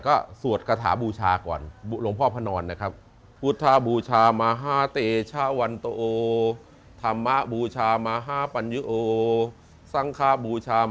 ก็สวดกระถาบูชาก่อนหลวงพ่อพนรนะครับ